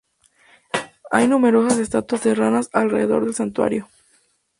Hay numerosas estatuas de ranas alrededor del santuario.